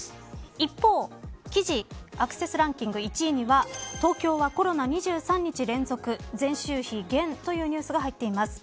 一方、記事アクセスランキング１位には東京はコロナ２３日連続前週比減というニュースが入っています。